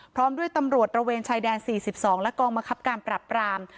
พร้อมด้วยตำรวจระเวนชายแดน๔๒และกองบังคับการปรับปราม